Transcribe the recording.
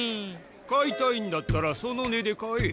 買いたいんだったらその値で買え。